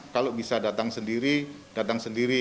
kalau bisa datang sendiri datang sendiri